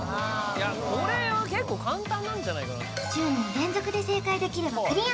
これは結構簡単なんじゃないかな１０人連続で正解できればクリア